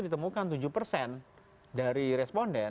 kita menanyakan pada responden